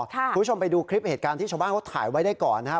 คุณผู้ชมไปดูคลิปเหตุการณ์ที่ชาวบ้านเขาถ่ายไว้ได้ก่อนนะครับ